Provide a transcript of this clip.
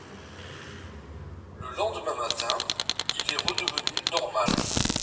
Le lendemain matin, il est redevenu normal.